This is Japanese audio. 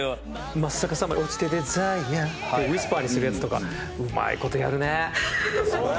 まっさかさまに堕ちてＤＥＳＩＲＥって、ウィスパーにするやつとか、うまいことやるねぇ。